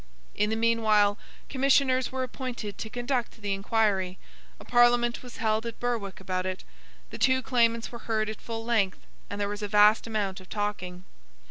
In the meanwhile, Commissioners were appointed to conduct the inquiry, a Parliament was held at Berwick about it, the two claimants were heard at full length, and there was a vast amount of talking.